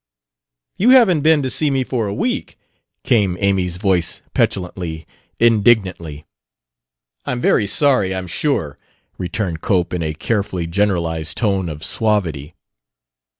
"You haven't been to see me for a week," came Amy's voice petulantly, indignantly. "I'm very sorry, I'm sure," returned Cope in a carefully generalized tone of suavity.